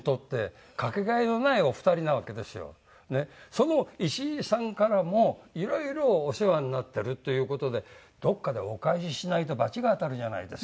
その石井さんからもいろいろお世話になってるという事でどこかでお返ししないと罰が当たるじゃないですか。